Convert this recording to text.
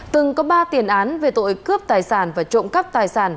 từng có ba tiền án về tội cướp tài sản và trộm cắp tài sản